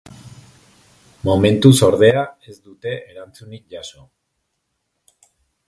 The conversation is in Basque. Momentuz, ordea, ez dute erantzunik jaso.